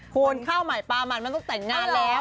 คุณข้าวใหม่ปลามันมันต้องแต่งงานแล้ว